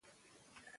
روغتیایی پاملرنه